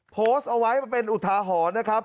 โพสต์เอาไว้เป็นอุทาหรณ์นะครับ